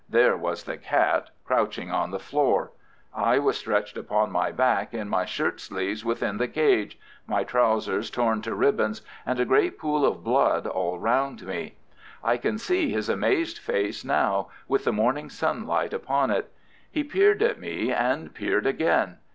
There was the cat crouching on the floor. I was stretched upon my back in my shirtsleeves within the cage, my trousers torn to ribbons and a great pool of blood all round me. I can see his amazed face now, with the morning sunlight upon it. He peered at me, and peered again.